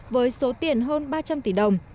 với số tiền hơn